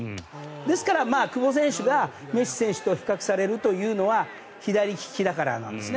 ですから、久保選手がメッシ選手と比較されるというのは左利きだからなんですね。